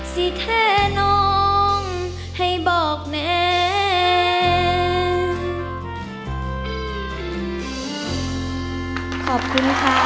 สิแท้น้องให้บอกแน่